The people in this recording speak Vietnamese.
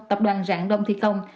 tập đoàn rạng đông thi công